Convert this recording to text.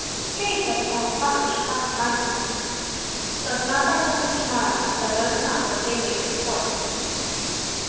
Strange that an old proverb should cross his mind just then. "Boast not thyself of to morrow. Thou knowest not what a day may bring forth."